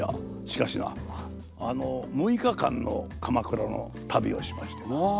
しかしな６日間の鎌倉の旅をしましてな